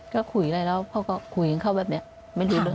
ก็คุยกันแล้วเขาก็คุยกับเขาแบบนี้